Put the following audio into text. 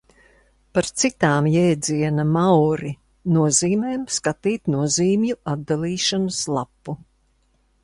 Par citām jēdziena Mauri nozīmēm skatīt nozīmju atdalīšanas lapu.